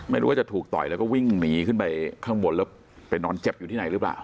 ไม่รู้ว่าจะถูกต่อยแล้วก็วิ่งหนีขึ้นไปข้างบนแล้วไปนอนเจ็บอยู่ที่ไหนหรือเปล่า